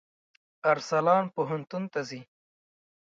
ارسلان پوهنتون ته ځي.